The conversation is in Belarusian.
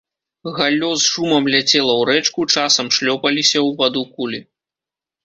Галлё з шумам ляцела ў рэчку, часам шлёпаліся ў ваду кулі.